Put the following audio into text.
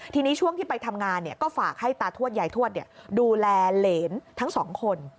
ทีนี้ช่วงที่ไปทำงานก็ฝากให้ตาทวดยายทวดดูแลเหรนทั้งสองคน